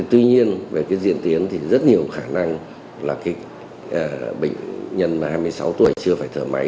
tuy nhiên về cái diễn tiến thì rất nhiều khả năng là bệnh nhân hai mươi sáu tuổi chưa phải thở máy